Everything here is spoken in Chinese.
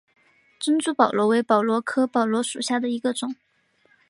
珍珠宝螺为宝螺科宝螺属下的一个种。